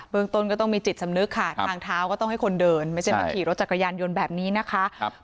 เมืองต้นก็ต้องมีจิตสำนึกค่ะทางเท้าก็ต้องให้คนเดินไม่ใช่มาขี่รถจักรยานยนต์แบบนี้นะคะ